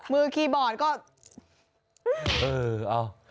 มือคีย์บอร์ดก็